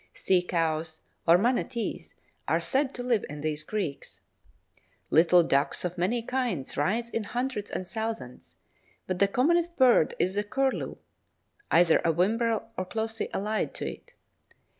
Sea cows or manatees are said to live in these creeks. Little ducks of many kinds rise in hundreds and thousands, but the commonest bird is the "curlew" (either a whimbrel or closely allied to it).